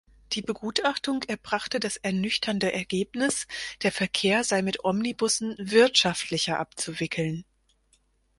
Die Begutachtung erbrachte das ernüchternde Ergebnis, der Verkehr sei mit Omnibussen wirtschaftlicher abzuwickeln.